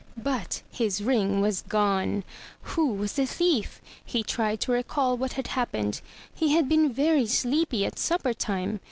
'* But his ring was gone! Who was the thief? He tried to recall what had happened. He had been very sleepy at supper time.